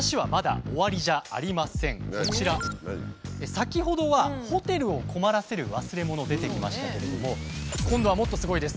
先ほどはホテルを困らせる忘れ物出てきましたけれども今度はもっとすごいです。